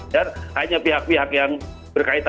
dan hanya pihak pihak yang berkepentingan